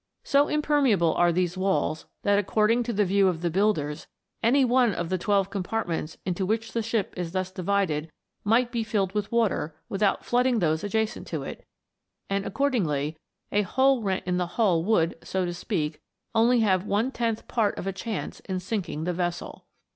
So im permeable are these walls that according to the view of the builders any one of the twelve com partments into which the ship is thus divided might be filled with water without flooding those adjacent to it ; and, accordingly, a hole rent in the hull would, so to speak, only have one tenth part of a chance in sinking the vessel.